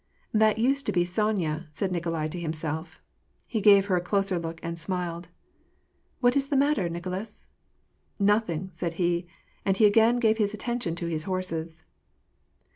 "That used to be Sonya," said Nikolai to himself. He gave her a closer look and smiled. " What is the matter, Nicolas ?"" Nothing," said he, and he again gave his attention to his horses.